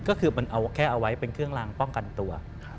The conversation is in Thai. ก็คือมันเอาแค่เอาไว้เป็นเครื่องรางป้องกันตัว